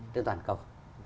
trên toàn cầu